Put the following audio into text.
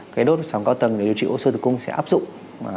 cái đốt sòng cao tầng để điều trị u sơ tử cung sẽ áp dụng